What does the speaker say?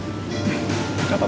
baru kejelasan semua ini